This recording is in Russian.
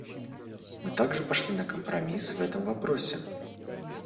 Мы также пошли на компромисс в этом вопросе.